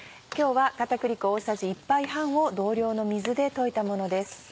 今日は片栗粉大さじ１杯半を同量の水で溶いたものです。